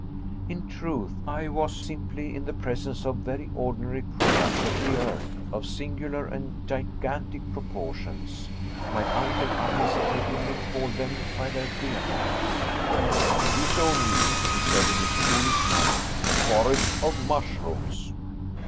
In truth, I was simply in the presence of a very ordinary product of the earth, of singular and gigantic proportions. My uncle unhesitatingly called them by their real names. "It is only," he said, in his coolest manner, "a forest of mushrooms."